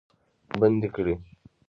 بندي کړ.